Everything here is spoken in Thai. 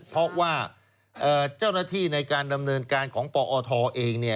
เพราะว่าเจ้าหน้าที่ในการดำเนินการของปอทเอง